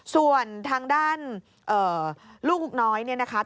ส่วนทางด้านลูกน้อยเนี่ยนะคะ